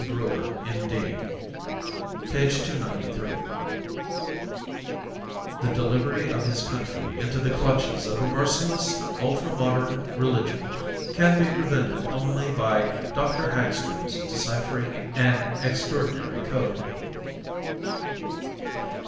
BREUER, M.D. 293 _The Delivery of His Country into the Clutches of a Merciless, Ultra Modern Religion Can Be Prevented Only by Dr. Hagstrom's Deciphering an Extraordinary Code.